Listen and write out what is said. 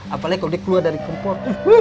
apalagi kalau dia keluar dari kompor